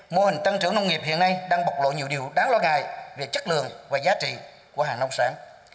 mô hình tăng trưởng nông nghiệp hiện nay đang bộc lộ nhiều điều đáng lo ngại về chất lượng và giá trị của hàng nông sản